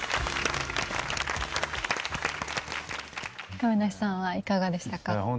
亀梨さんはいかがでしたか？